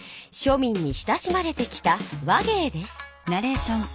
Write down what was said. みんに親しまれてきた話げいです。